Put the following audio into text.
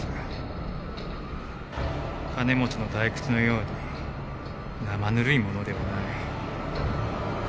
金持ちの退屈のように生ぬるいものではない。